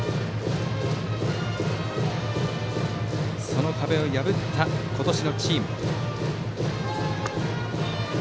その壁を破った今年のチーム。